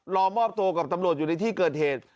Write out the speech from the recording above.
รอมอบตัวกับตำรวจอยู่ในที่เกิดเหตุ